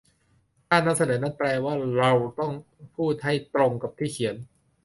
การนำเสนอนั้นแปลว่าเราต้องพูดให้ตรงกับที่เขียน